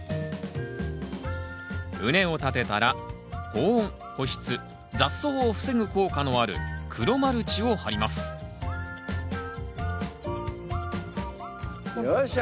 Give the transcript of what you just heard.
畝を立てたら保温保湿雑草を防ぐ効果のある黒マルチを張りますよっしゃ！